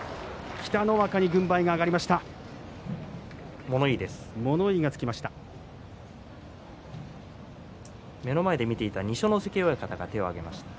北の若に軍配が上がりました。